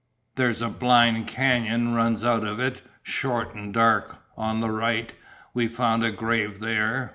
There's a blind canyon runs out of it, short an' dark, on the right. We found a grave there.